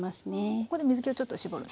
ここで水けをちょっと搾ると。